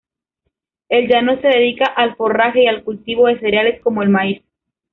El llano se dedica al forraje y al cultivo de cereales como el maíz.